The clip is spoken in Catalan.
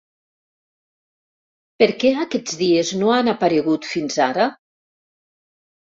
¿Per què aquests dies no han aparegut fins ara?